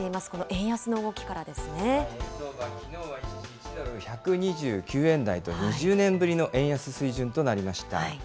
円相場、きのうは一時１ドル１２９円台と２０年ぶりの円安水準となりました。